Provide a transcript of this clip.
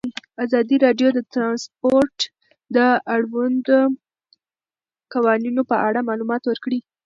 ازادي راډیو د ترانسپورټ د اړونده قوانینو په اړه معلومات ورکړي.